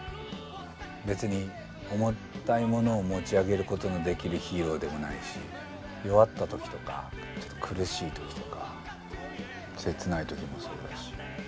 別に重たいものを持ち上げることのできるヒーローでもないし弱った時とかちょっと苦しい時とか切ない時もそうだし。